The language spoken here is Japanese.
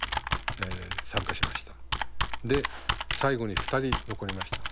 で最後に２人残りました。